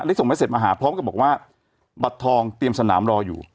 ส่งไว้เสร็จมาหาพร้อมกับบอกว่าบัตรทองเตรียมสนามรออยู่